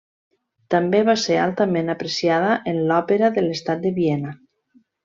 També va ser altament apreciada en l'Òpera de l'Estat de Viena.